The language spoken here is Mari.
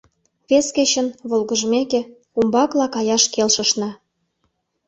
Вес кечын, волгыжмеке, умбакыла каяш келшышна.